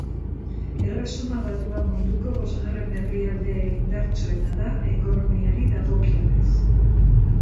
Erresuma Batua munduko bosgarren herrialde indartsuena da ekonomiari dagokionez.